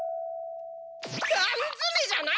缶づめじゃない！